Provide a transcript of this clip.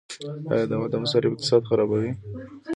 آیا د واده مصارف اقتصاد خرابوي؟